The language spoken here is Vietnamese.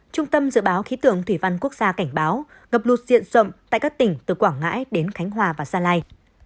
trung tâm dự báo khí tượng thủy văn quốc gia cảnh báo ngập lụt diện rộng tại các tỉnh từ quảng ngãi đến khánh hòa và gia lai